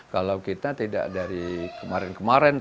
kalau kita tidak dari kemarin kemarin